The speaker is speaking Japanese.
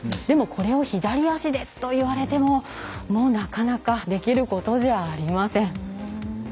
でも、これを左足でといわれてもなかなかできることじゃありません。